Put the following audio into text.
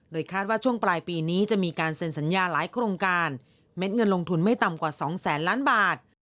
คาดว่าช่วงปลายปีนี้จะมีการเซ็นสัญญาหลายโครงการเม็ดเงินลงทุนไม่ต่ำกว่า๒แสนล้านบาท